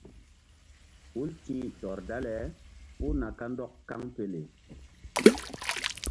Hul ti̧h tɔr dale puh na kandɔk kaŋpele.